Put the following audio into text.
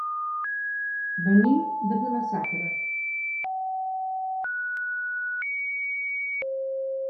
Venim de Vila-sacra.